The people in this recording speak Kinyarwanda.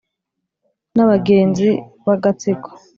n'abagenzi b'agatsiko